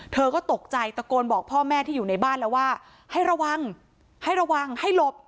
เธอก็ตกใจตะโกนบอกพ่อแม่ที่อยู่ในบ้านแล้วว่าให้ระวังให้ระวังให้หลบ